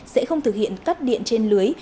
sẽ không thực hiện cắt điện trên lưới